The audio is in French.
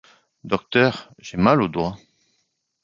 Docteur, j'ai mal au doigt